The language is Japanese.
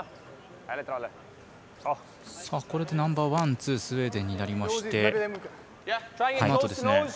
ナンバーワン、ツースウェーデンになりました。